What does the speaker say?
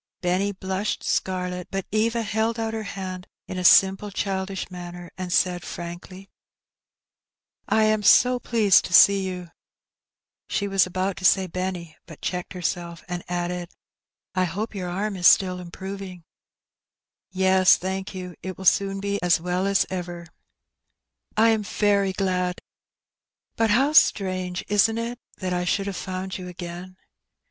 Benny blushed scarlet ; but Eva held out her hand in a simple childish manner, and said frankly — 270 Her Benny. "I am pleased to see you '' (she was about to say "Benny/' but checked herself), and added, ''I hope your arm is still improving/' "Yes, thank you; it will soon be as well as ever/' " I am very glad ; but how strange, isn't it, that I should have found you again?"